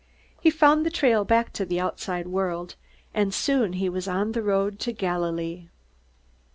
He found the trail back to the outside world, and soon he was on the road to Galilee.